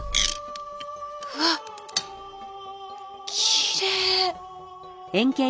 わっきれい。